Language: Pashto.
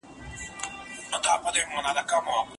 ناسم ځای د سي قدر نه کوي.